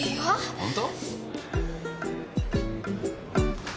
ホント？